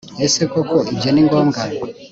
ese koko ibyo ni ngombwa